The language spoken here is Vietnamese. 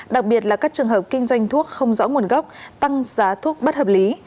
đặc biệt là các trường hợp kinh doanh thuốc không rõ nguồn gốc tăng giá thuốc bất hợp lý